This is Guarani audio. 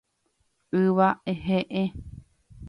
Yva he'ẽ.